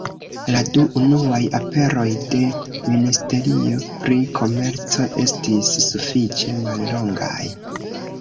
La du unuaj aperoj de ministerio pri komerco estis sufiĉe mallongaj.